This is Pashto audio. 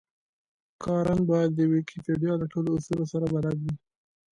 کارن بايد د ويکيپېډيا له ټولو اصولو سره بلد وي.